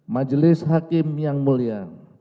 majelis hakim yang mulia